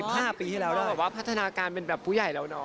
โหก็มีว่าพัฒนาการเป็นแบบผู้ใหญ่แล้วนะ